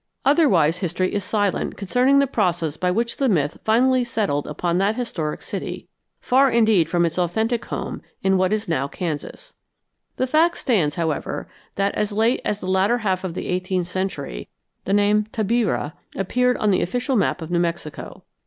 Otherwise history is silent concerning the process by which the myth finally settled upon that historic city, far indeed from its authentic home in what now is Kansas. The fact stands, however, that as late as the latter half of the eighteenth century the name Tabirá appeared on the official map of New Mexico.